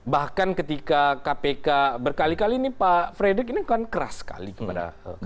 bahkan ketika kpk berkali kali ini pak frederick ini kan keras sekali kepada kpk